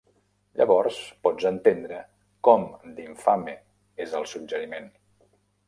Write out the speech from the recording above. Llavors pots entendre com d'infame és el suggeriment.